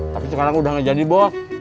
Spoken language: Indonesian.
tapi sekarang udah gak jadi bos